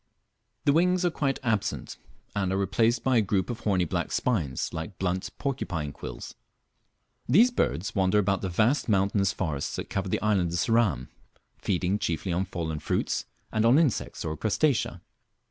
The wings are quite absent, and are replaced by a group of horny black spines like blunt porcupine quills. These birds wander about the vast mountainous forests that cover the island of Ceram, feeding chiefly on fallen fruits, and on insects or crustacea.